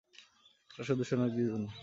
এটা শুধু সৈনিকদের জন্য।